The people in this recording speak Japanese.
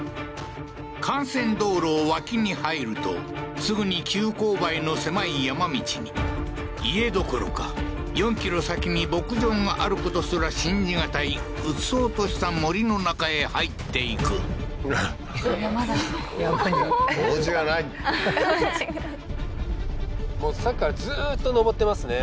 幹線道路を脇に入るとすぐに急勾配の狭い山道に家どころか４ｋｍ先に牧場があることすら信じがたいうっそうとした森の中へ入っていく山だ山におうちがないはははっええー